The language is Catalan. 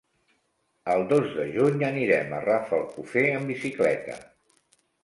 El dos de juny anirem a Rafelcofer amb bicicleta.